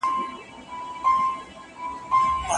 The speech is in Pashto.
که لېوالتیا ونه لرې نو پرمختګ نسي کولای.